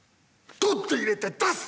取って入れて出す！